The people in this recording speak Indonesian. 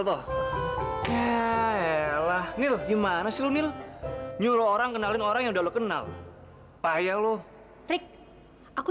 toh ya elah nih gimana sih lo mil nyuruh orang kenalin orang yang udah kenal payah lu rick aku